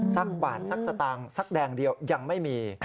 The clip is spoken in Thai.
สักบาทสักสตางค์สักแดงเดียวยังไม่มี